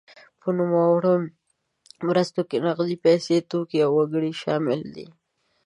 په نوموړو مرستو کې نغدې پیسې، توکي او وګړي شامل دي.